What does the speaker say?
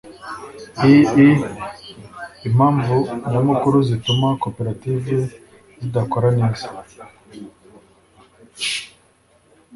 II Impamvu nyamukuru zituma koperative zidakora neza